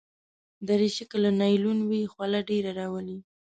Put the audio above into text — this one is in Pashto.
دریشي که له نایلون وي، خوله ډېره راولي.